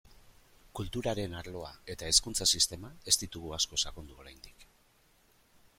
Kulturaren arloa eta hezkuntza sistema ez ditugu asko sakondu oraindik.